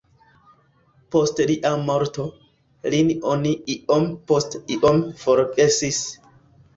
Post lia morto, lin oni iom post iom forgesis.